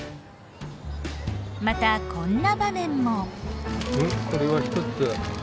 またこんな場面も。